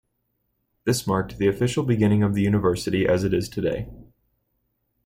This marked the official beginning of the university as it is today.